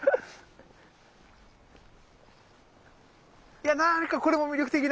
いや何かこれも魅力的な切り株の。